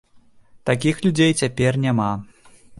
Такіх людзей цяпер няма.